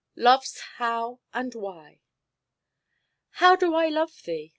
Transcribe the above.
LOVE'S HOW AND WHY. How do I love thee?